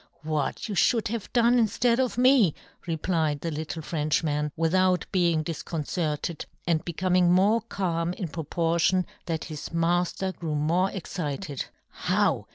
" What " you fhould have done inftead of me," replied the little Frenchman, without being difconcerted, and be coming more calm in proportion that his mafter grew more excited. "How!